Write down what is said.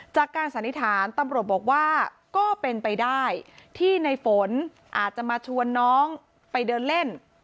สันนิษฐานตำรวจบอกว่าก็เป็นไปได้ที่ในฝนอาจจะมาชวนน้องไปเดินเล่น